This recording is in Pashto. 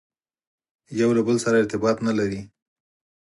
یو له بل سره ارتباط نه لري.